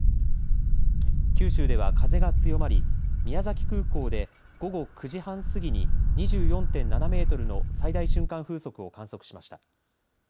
九州では風が強まり宮崎空港で午後９時半過ぎに２４．７メートルの最大瞬間風速を観測しました。